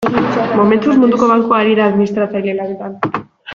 Momentuz, Munduko Bankua ari da administratzaile lanetan.